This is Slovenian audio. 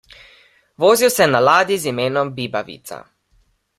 Vozil se je na ladji z imenom Bibavica.